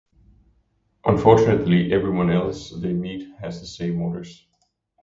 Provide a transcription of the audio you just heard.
Unfortunately, everyone else they meet has the same orders.